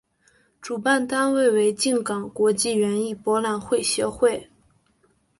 主办单位为静冈国际园艺博览会协会。